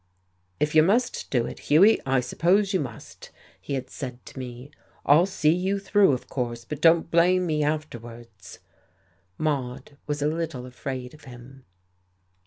"If you must do it, Hughie, I suppose you must," he had said to me. "I'll see you through, of course. But don't blame me afterwards." Maude was a little afraid of him....